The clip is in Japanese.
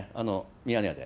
ミヤネ屋で。